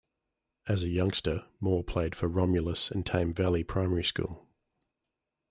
As a youngster, Moore played for Romulus and Tame Valley Primary School.